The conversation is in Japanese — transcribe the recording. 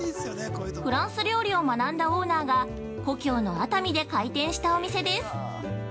フランス料理を学んだオーナーが故郷の熱海で開店したお店です。